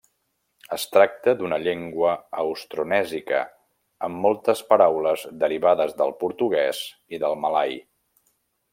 Es tracta d'una llengua austronèsica amb moltes paraules derivades del portuguès i del malai.